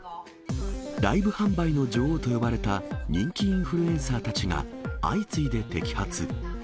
ライブ販売の女王と呼ばれた人気インフルエンサーたちが相次いで摘発。